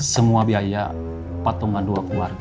semua biaya patungan dua keluarga